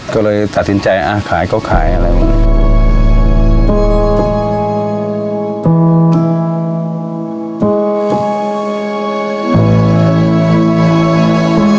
ก็เลยตัดสินใจขายก็ขายอะไรแบบนี้